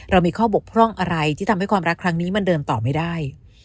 เรามีข้อบกพร่องอะไรที่ทำให้ความรักครั้งนี้มันเดินต่อไม่ได้